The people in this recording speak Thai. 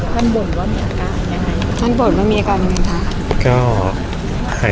ภาษาสนิทยาลัยสุดท้าย